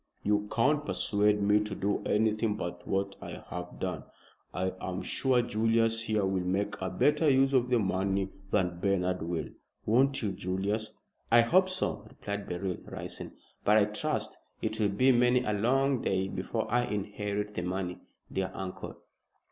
You can't persuade me to do anything but what I have done. I am sure Julius here will make a better use of the money than Bernard will. Won't you, Julius?" "I hope so," replied Beryl, rising; "but I trust it will be many a long day before I inherit the money, dear uncle."